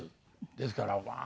ですからまあ。